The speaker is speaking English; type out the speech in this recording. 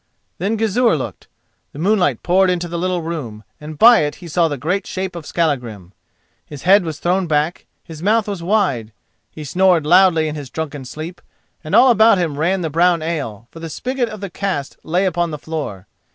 Then Gizur looked. The moonlight poured into the little room, and by it he saw the great shape of Skallagrim. His head was thrown back, his mouth was wide. He snored loudly in his drunken sleep, and all about him ran the brown ale, for the spigot of the cask lay upon the floor.